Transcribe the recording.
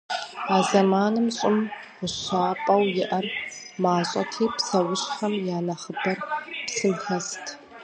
А зэманым Щӏым гъущапӏэу иӏэр мащӏэти, псэущхьэм я нэхъыбэр псым хэст.